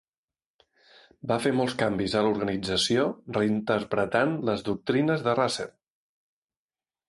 Va fer molts canvis a l'organització reinterpretant les doctrines de Russell.